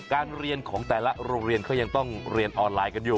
การเรียนของแต่ละโรงเรียนเขายังต้องเรียนออนไลน์กันอยู่